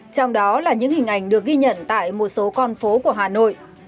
trong đó là những hình ảnh được ghi nhận tại một số con phố của hà nội